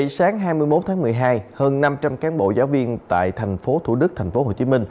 sáng hai mươi một tháng một mươi hai hơn năm trăm linh cán bộ giáo viên tại tp thủ đức tp hcm